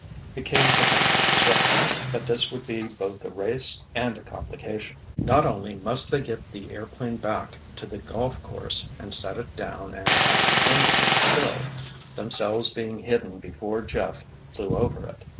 It came to him, swiftly, that this would be both a race and a complication. Not only must they get the airplane back to the golf course and set it down and have its engine still, themselves being hidden before Jeff flew over it.